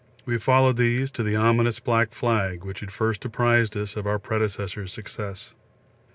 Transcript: We followed these to the ominous black flag which had first apprised us of our predecessors' success.